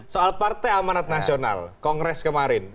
soal partai amanat nasional kongres kemarin